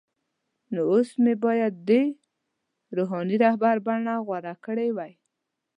خو اوس یې باید د “روحاني رهبر” بڼه غوره کړې وای.